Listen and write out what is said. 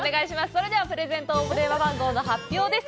それではプレゼント応募電話番号の発表です。